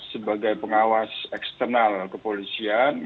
sebagai pengawas eksternal kepolisian